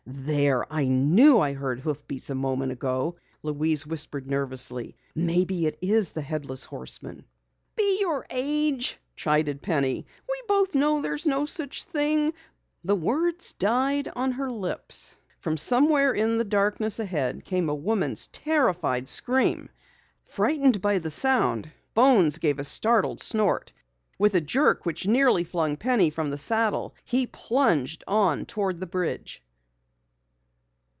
"There! I knew I heard hoofbeats a moment ago!" Louise whispered nervously. "Maybe it is the Headless Horseman!" "Be your age!" chided Penny. "We both know there's no such thing " The words died on her lips. From somewhere in the darkness ahead came a woman's terrified scream. Frightened by the sound, Bones gave a startled snort. With a jerk which nearly flung Penny from the saddle, he plunged on toward the bridge.